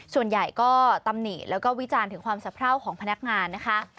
ส่วนใหญ่ก็ตำหนิแล้วก็วิจารณ์ถึงความสะพร่าวของพนักงานนะคะ